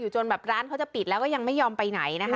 จนแบบร้านเขาจะปิดแล้วก็ยังไม่ยอมไปไหนนะคะ